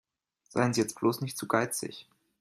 Seien Sie jetzt bloß nicht zu geizig.